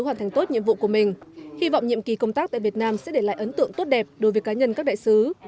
hy vọng nhiệm kỳ công tác tại việt nam sẽ để lại ấn tượng tốt đẹp đối với cá nhân các đại sứ